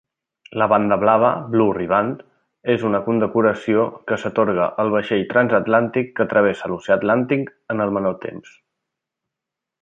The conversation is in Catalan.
La Banda Blava (Blue Riband) és una condecoració que s'atorga al vaixell transatlàntic que travessa l'oceà Atlàntic en el menor temps.